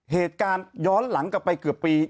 เหตุการณ์ย้อนหลังกลับไปเกือบปี